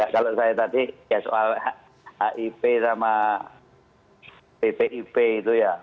kalau saya tadi ya soal hip sama bpip itu ya